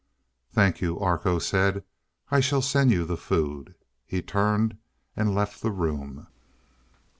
"Thank you," Arkoh said. "I shall send you the food." He turned and left the room.